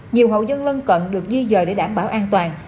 nhiều hộ dân lân cận được di dời để đảm bảo an toàn